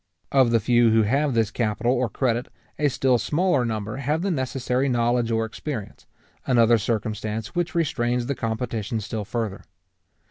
Of the few who have this capital or credit, a still smaller number have the necessary knowledge or experience; another circumstance which restrains the competition still further.